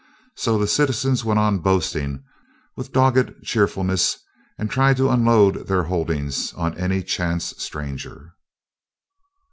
So the citizens went on boasting with dogged cheerfulness and tried to unload their holdings on any chance stranger.